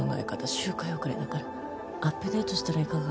周回遅れだからアップデートしたらいかが？